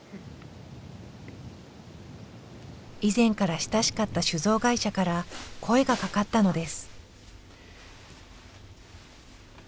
以前から親しかった酒造会社から声がかかったのです。